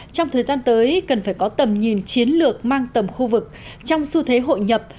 trong thời gian tới cần phải có tầm nhìn chiến lược mang tầm khu vực trong xu thế hội nhập